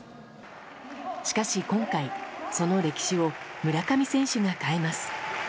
しかし今回、その歴史を村上選手が変えます。